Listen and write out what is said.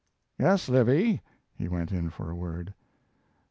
"Yes, Livy." He went in for a word.